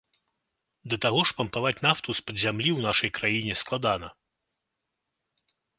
Да таго ж пампаваць нафту з-пад зямлі ў нашай краіне складана.